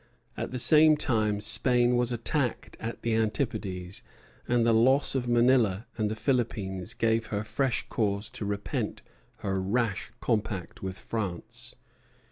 At the same time Spain was attacked at the antipodes, and the loss of Manila and the Philippines gave her fresh cause to repent her rash compact with France.